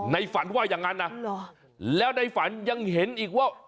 ฝันว่าอย่างนั้นนะแล้วในฝันยังเห็นอีกว่า